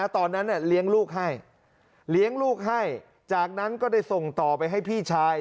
ตอนนั้นเลี้ยงลูกให้จากนั้นก็ได้ส่งต่อไปให้พี่ชาย